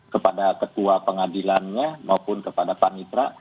kepada ketua pengadilannya maupun kepada pak mitra